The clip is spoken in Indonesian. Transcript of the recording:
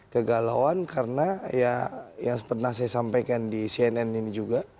kegalauan karena ya yang pernah saya sampaikan di cnn ini juga